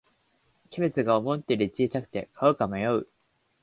キャベツが思ったより小さくて買うか迷う